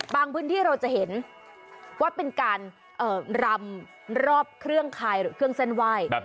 พื้นที่เราจะเห็นว่าเป็นการรำรอบเครื่องคายหรือเครื่องเส้นไหว้